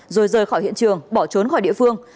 rồi rời khỏi hiện trường bỏ trốn khỏi địa phương